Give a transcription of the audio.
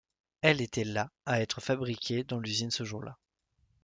Elle était la à être fabriquée dans l'usine ce jour-là.